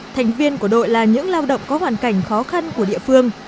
thành viên của đội là những lao động có hoàn cảnh khó khăn của địa phương